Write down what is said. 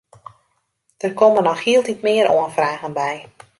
Der komme noch hieltyd mear oanfragen by.